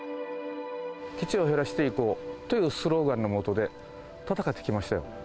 基地を減らしていこうというスローガンの下で戦ってきましたよ。